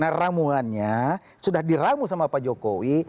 nah ramuannya sudah diramu sama pak jokowi